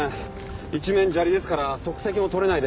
一面砂利ですから足跡も採れないですし。